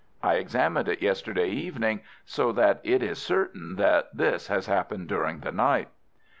I examined it yesterday evening, so that it is certain that this has happened during the night."